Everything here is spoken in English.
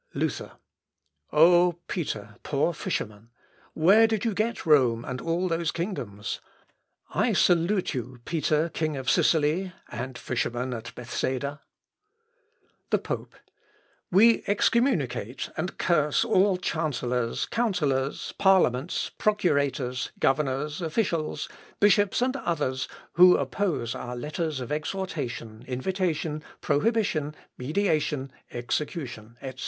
Luther. "O, Peter, poor fisherman! where did you get Rome and all those kingdoms? I salute you, Peter, king of Sicily! ... and fisherman at Bethsaida!" The Pope. "We excommunicate and curse all chancellors, counsellors, parliaments, procurators, governors, officials, bishops, and others who oppose our letters of exhortation, invitation, prohibition, mediation, execution, etc."